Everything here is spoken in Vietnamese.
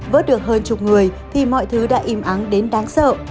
vớt được hơn chục người thì mọi thứ đã im ắng đến đáng sợ